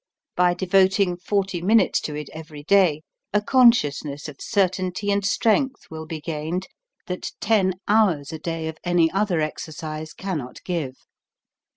By devoting forty minutes to it every day, a consciousness of certainty and strength will be gained that ten hours a day of any other exercise cannot give.